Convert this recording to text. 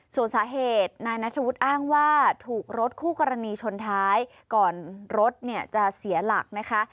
ส่วนสาเหตุนายนัทธวุฒิอ้างว่าถูกรถคู่กรณีชนท้ายก่อนรถเนี่ยจะเสียหลักนะคะ